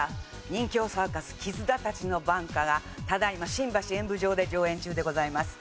『任侠サーカスキズナたちの挽歌』がただ今新橋演舞場で上演中でございます。